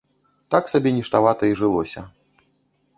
Так сабе ніштавата і жылося.